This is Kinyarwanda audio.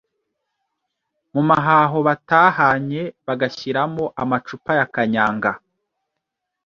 mu mahaho batahanye bagashyiramo amacupa ya kanyanga,